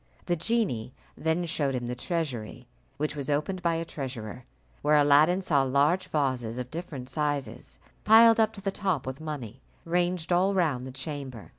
The genie then showed him the treasury, which was opened by a treasurer, where Aladdin saw large vases of different sizes, piled up to the top with money, ranged all round the chamber.